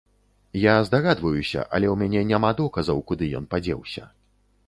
Я здагадваюся, але ў мяне няма доказаў, куды ён падзеўся.